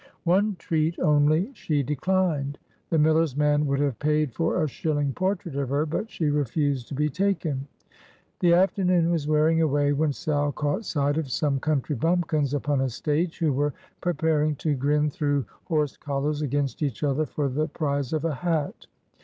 One treat only she declined. The miller's man would have paid for a shilling portrait of her, but she refused to be taken. The afternoon was wearing away, when Sal caught sight of some country bumpkins upon a stage, who were preparing to grin through horse collars against each other for the prize of a hat.